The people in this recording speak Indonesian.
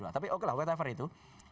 tapi okelah whatever itu